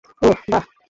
ওহ, বাহ।